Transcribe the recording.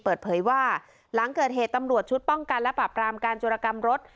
เปิดเผยว่าหลังเกิดเหตุตำรวจชุดป้องกันและปรับรามการจุรกรรมรถ